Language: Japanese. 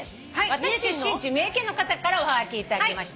私出身地三重県の方からおはがき頂きました。